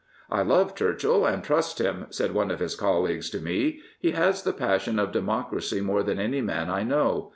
I love Churchill and trust him,'' said one of his colleagues to me. '' He has the passion of democracy more than any man I know.